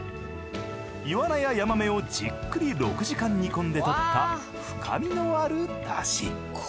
イワナやヤマメをじっくり６時間煮込んでとった深みのある出汁。